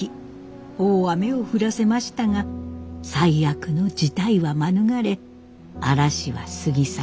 大雨を降らせましたが最悪の事態は免れ嵐は過ぎ去ろうとしていました。